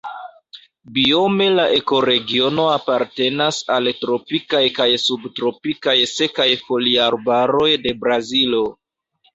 Biome la ekoregiono apartenas al tropikaj kaj subtropikaj sekaj foliarbaroj de Brazilo.